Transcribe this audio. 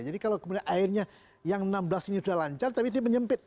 jadi kalau kemudian airnya yang enam belas ini sudah lancar tapi itu menyempit